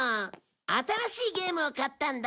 新しいゲームを買ったんだ。